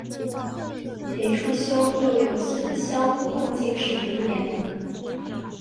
裴处休又有孙乡贡进士裴岩。